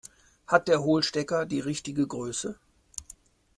Hat der Hohlstecker die richtige Größe?